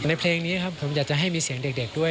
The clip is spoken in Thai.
เพลงนี้ครับผมอยากจะให้มีเสียงเด็กด้วย